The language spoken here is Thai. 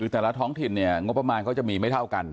แต่ละท้องถิ่นเนี่ยงบประมาณเขาจะมีไม่เท่ากัน